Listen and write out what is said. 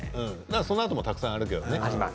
その他もたくさんあるけど。